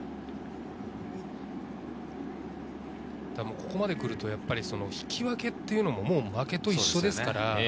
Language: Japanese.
ここまで来ると、やっぱり引き分けというのも負けと一緒ですから。